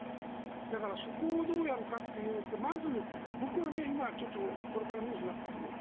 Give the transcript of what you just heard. だから、そこをどうやるかっていうとまず僕はね、これからニュースになっていくと思う。